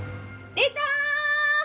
出た！